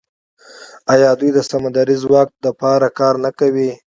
آیا دوی د سمندري ځواک لپاره کار نه کوي؟